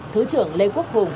thứ trưởng lê quốc hùng